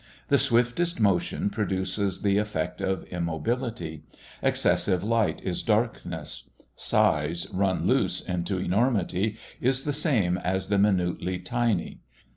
The swiftest motion produces the effect of immobility; excessive light is darkness; size, run loose into enormity, is the same as the minutely tiny.